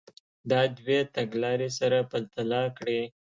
دا دوې تګ لارې سره پرتله کړئ.